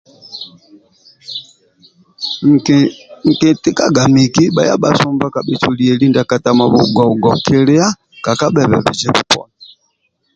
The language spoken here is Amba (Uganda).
Nki nkitikaga miki bhaya sumba kabhesu lieli ndia katamabhugobhugo kilia kakababe kizibu poni